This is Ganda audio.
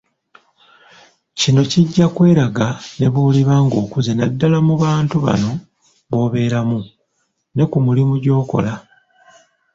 Kino kijja kweraga ne bw'oliba ng'okuze naddala mu bantu banno b'obeeramu, ne ku mulimu gy'okola.